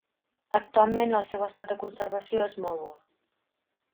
Actualment el seu estat de conservació és molt bo.